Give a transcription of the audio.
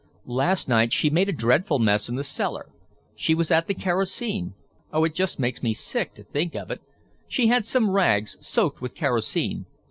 Last night she made a dreadful mess in the cellar. She was at the kerosene; oh, it makes me just sick to think of it. She had some rags soaked with kerosene.